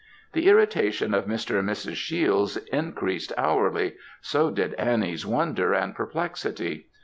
The irritation of Mr. and Mrs. Shiels increased hourly, so did Annie's wonder and perplexity.